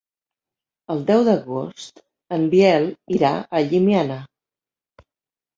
El deu d'agost en Biel irà a Llimiana.